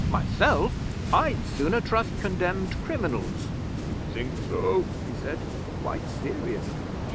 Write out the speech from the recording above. Myself, I'd sooner trust condemned criminals." '"You think so?" he said, quite seriously.